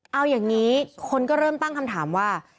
เอาอย่างนี้คนก็เริ่มตั้งคำถามว่า